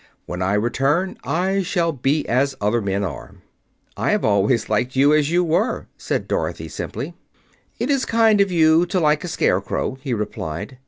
When I return I shall be as other men are." "I have always liked you as you were," said Dorothy simply. "It is kind of you to like a Scarecrow," he replied.